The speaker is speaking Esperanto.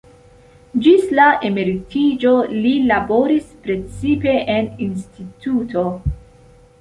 Ĝis la emeritiĝo li laboris precipe en instituto.